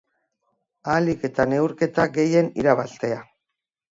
Ahalik eta neurketa gehien irabaztea.